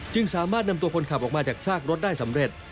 สามารถนำตัวคนขับออกมาจากซากรถได้สำเร็จ